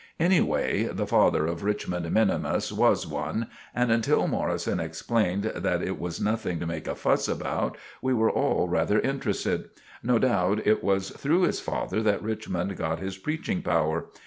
Anyway, the father of Richmond minimus was one, and, until Morrison explained that it was nothing to make a fuss about, we were all rather interested. No doubt it was through his father that Richmond got his preaching power.